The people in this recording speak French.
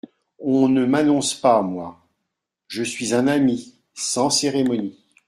On ne m’annonce pas, moi… je suis un ami… sans cérémonie…